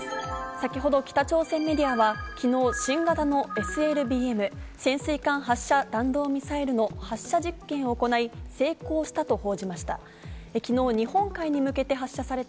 先ほど北朝鮮メディアは昨日、新型のＳＬＢＭ＝潜水艦発射弾道ミサイルの発射実験を行い、成功したと報じました。